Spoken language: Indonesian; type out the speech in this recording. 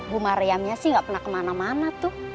bu mariamnya sih gak pernah kemana mana tuh